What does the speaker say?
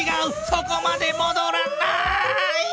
そこまでもどらない！